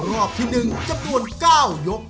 รอบที่๑จำนวน๙ยก